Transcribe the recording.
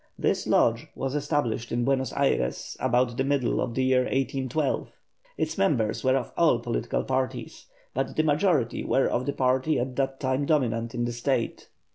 This Lodge was established in Buenos Ayres about the middle of the year 1812. Its members were of all political parties, but the majority were of the party at that time dominant in the State.